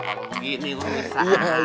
kalau begitu urusan